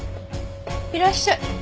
いらっしゃい。